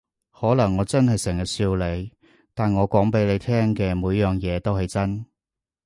可能我真係成日笑你，但我講畀你聽嘅每樣嘢都係真